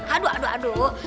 aduh aduh aduh